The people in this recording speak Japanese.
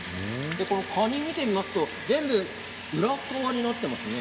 カニを見ると全部裏側になっていますね。